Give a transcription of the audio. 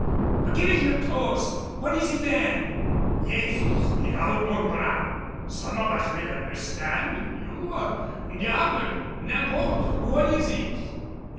But give us your toast. What is it, then?" "Yes, speak out, mon brave, some of us will understand you diable n'importe! What is it?"